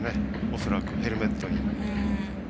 おそらくヘルメットに。